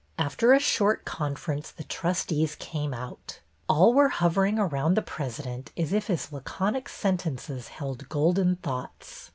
After a short conference the trustees came out; all were hovering around the president as if his laconic sentences held golden thoughts.